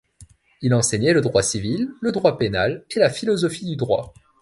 Il enseignait le droit civil, le droit pénal et la philosophie du droit.